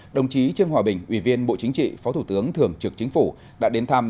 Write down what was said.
đồng chí trương hòa bình ủy viên bộ chính trị phó thủ tướng thường trực chính phủ đã đến thăm